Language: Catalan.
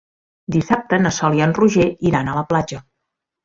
Dissabte na Sol i en Roger iran a la platja.